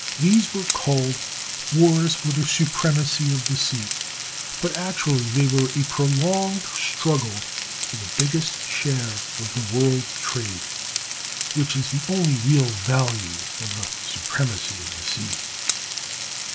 These were called wars for the supremacy of the sea, but actually they were a prolonged struggle for the biggest share of the world's trade, which is the only real value of the "supremacy of the sea."